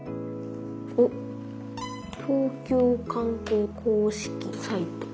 おっ「東京観光公式サイト」。